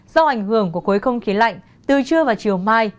do ảnh hưởng của khối không khí lạnh từ trưa và chiều mai